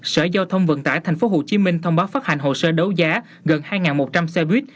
sở giao thông vận tải tp hcm thông báo phát hành hồ sơ đấu giá gần hai một trăm linh xe buýt